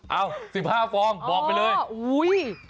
เอา๑๕ฟองบอกไปเลยอุ้ย